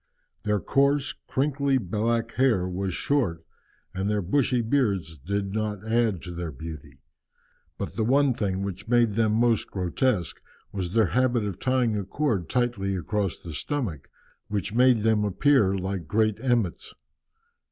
Their coarse, crinkly black hair was short, and their bushy beards did not add to their beauty. But the one thing which made them most grotesque was their habit of tying a cord tightly across the stomach, which made them appear like great emmets.